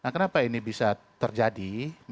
kenapa ini bisa terjadi